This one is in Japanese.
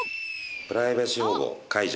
プライバシー保護解除。